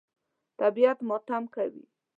طبیعت ماتم کوي.